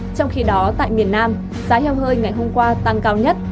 trong khi đó tại miền nam giá heo hơi ngày hôm qua tăng cao nhất